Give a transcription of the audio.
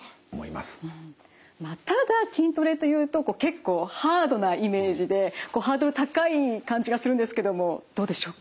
まあただ筋トレというとこう結構ハードなイメージでハードル高い感じがするんですけどもどうでしょうか？